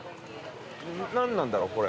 何なんだろうこれ？